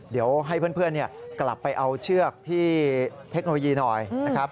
เดี๋ยวให้เพื่อนกลับไปเอาเชือกที่เทคโนโลยีหน่อยนะครับ